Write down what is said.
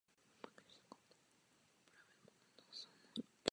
Publikuje v oboru.